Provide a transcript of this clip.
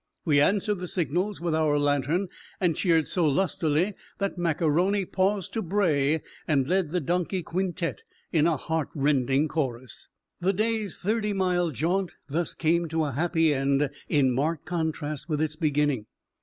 We answered the signals with our lantern and cheered so lustily that Mac A'Rony paused to bray and led the donkey quintette in a heartrending chorus. The day's thirty mile jaunt thus came to a happy end in marked contrast with its beginning.